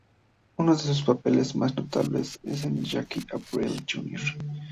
Uno de sus papeles más notables es el de Jackie Aprile, Jr.